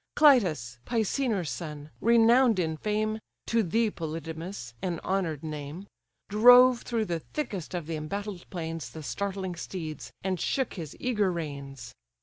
Clytus, Pisenor's son, renown'd in fame, (To thee, Polydamas! an honour'd name) Drove through the thickest of the embattled plains The startling steeds, and shook his eager reins.